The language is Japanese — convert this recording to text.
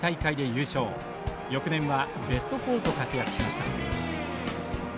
翌年はベスト４と活躍しました。